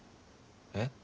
えっ？